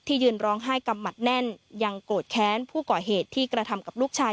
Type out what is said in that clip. ยืนร้องไห้กำหมัดแน่นยังโกรธแค้นผู้ก่อเหตุที่กระทำกับลูกชาย